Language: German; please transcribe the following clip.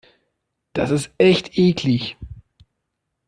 Das ist echt eklig.